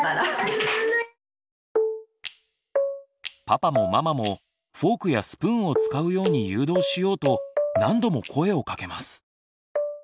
パパもママもフォークやスプーンを使うように誘導しようと何度も声をかけます。